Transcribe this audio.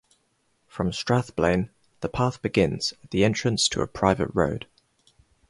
From Strathblane, the path begins at the entrance to a private road.